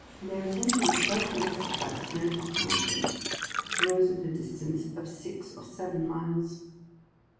Their attention was first arrested by the snow topped mountain which rose at a distance of six or seven miles.